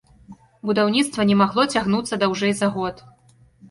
Будаўніцтва не магло цягнуцца даўжэй за год.